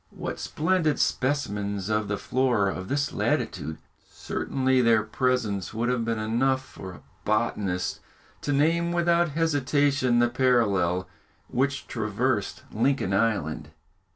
What splendid specimens of the Flora of this latitude! Certainly their presence would have been enough for a botanist to name without hesitation the parallel which traversed Lincoln Island.